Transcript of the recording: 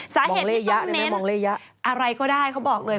สาเหตุที่ต้องเน้นอะไรก็ได้เขาบอกเลย